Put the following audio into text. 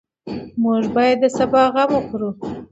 موږ باید د سبا غم وخورو.